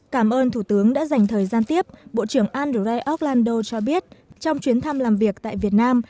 cảm ơn thủ tướng đã dành thời gian tiếp bộ trưởng andrei oklanddo cho biết trong chuyến thăm làm việc tại việt nam